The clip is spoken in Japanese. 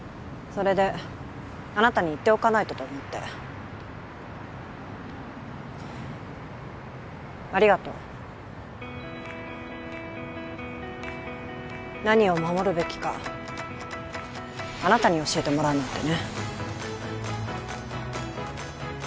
それであなたに言っておかないとと思ってありがとう何を守るべきかあなたに教えてもらうなんてね